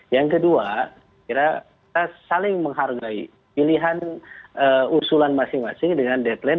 yang kedua kita saling menghargai pilihan usulan masing masing dengan deadline